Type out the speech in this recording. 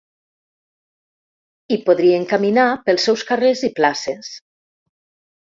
I podrien caminar pels seus carrers i places.